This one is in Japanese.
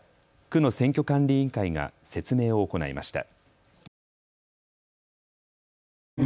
区の選挙管理委員会が説明を行いました。